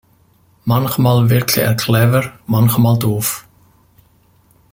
Manchmal wirke er „clever“, manchmal „doof“.